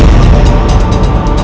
aku akan menemukanmu